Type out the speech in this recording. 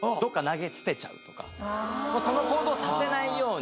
その行動させないように。